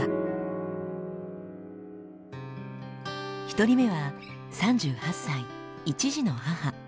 １人目は３８歳一児の母。